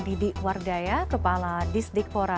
didi wardaya kepala disdikpora